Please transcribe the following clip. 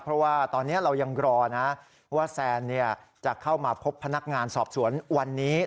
เพราะว่าตอนนี้เรายังรอนะว่าแซนจะเข้ามาพบพนักงานสอบสวนวันนี้